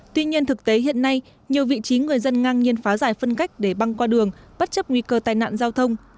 tuy nhiên thực tế hiện nay nhiều vị trí người dân ngang nhiên phá giải phân cách để băng qua đường bất chấp nguy cơ tai nạn giao thông